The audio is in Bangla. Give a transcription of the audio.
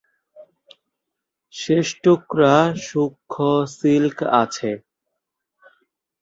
শেষ টুকরা সূক্ষ্ম সিল্ক আছে।